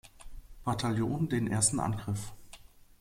Bataillon den ersten Angriff.